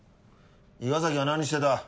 伊賀崎は何してた？